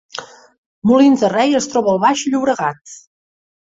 Molins de Rei es troba al Baix Llobregat